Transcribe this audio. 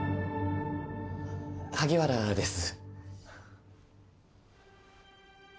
萩原です。